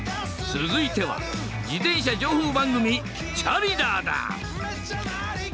続いては自転車情報番組「チャリダー★」だ。